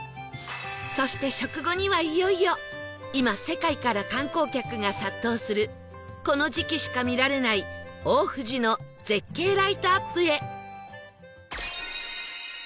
そして食後にはいよいよ今世界から観光客が殺到するこの時期しか見られない大藤の絶景ライトアップへ